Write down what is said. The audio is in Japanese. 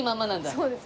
そうですね。